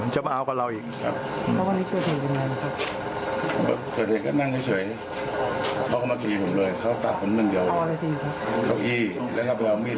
แล้วมันก็ขึ้นไปบนบ้านแล้วก็ประกาศอีกว่าจะเอาอีกไม่หยุด